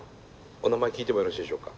お名前聞いてもよろしいでしょうか？